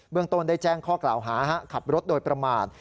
ต้นได้แจ้งข้อกล่าวหาขับรถโดยประมาท